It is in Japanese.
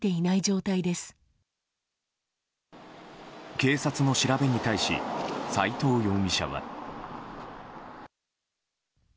警察の調べに対し斎藤容疑者は。